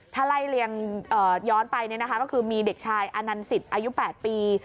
ถ้าไล่เลียงย้อนไปก็คือมีเด็กชายอนันสิตอายุ๘ปี